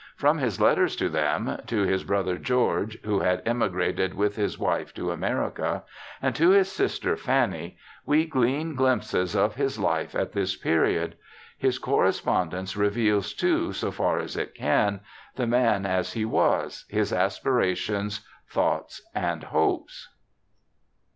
From his letters to them, to his brother George (who had emigrated with his wife to America), and to his sister Fanny, we glean glimpses of his life at this period. His correspondence reveals, too, so far as it can, the man as he was, his aspirations, thoughts, and hopes.